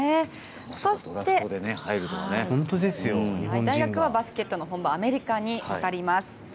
そして、大学はバスケットの本場アメリカに渡ります。